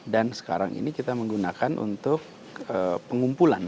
dan sekarang ini kita menggunakan untuk pengumpulan